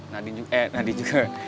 nadin juga eh nadin juga